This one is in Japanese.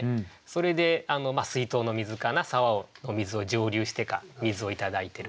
それで水筒の水かな沢を水を蒸留してか水をいただいてると。